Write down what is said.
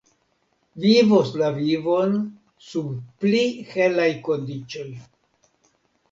Vivos la vivon sub pli helaj kondiĉoj.